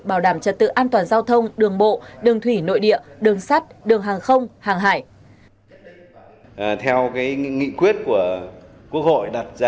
bảo đảm trật tự an toàn giao thông đường bộ đường thủy nội địa đường sắt đường hàng không hàng hải